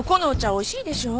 美味しいでしょう？